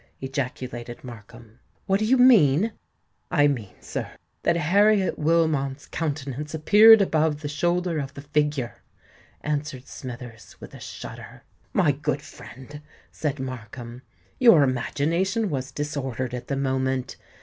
ejaculated Markham: "what do you mean?" "I mean, sir, that Harriet Wilmot's countenance appeared above the shoulder of the figure!" answered Smithers, with a shudder. "My good friend," said Markham, "your imagination was disordered at the moment.